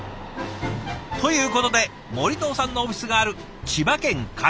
ということで森藤さんのオフィスがある千葉県柏市へ。